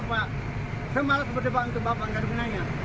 semalas berdepan untuk bapak